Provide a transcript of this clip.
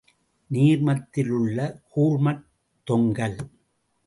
நீர்மத்திலுள்ள கூழ்மத் தொங்கல்.